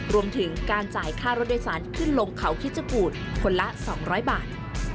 รวมถึงการจ่ายค่ารถโดยสารขึ้นลงเขาคิดชะกูดคนละ๒๐๐บาท